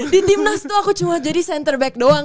di timnas tuh aku cuma jadi center back doang